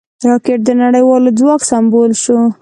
راکټ د نړیوال ځواک سمبول شو